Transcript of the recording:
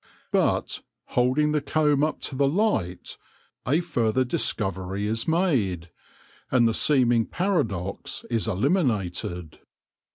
But, holding the comb up to the light, a further discovery is made, and the seeming paradox is eliminated.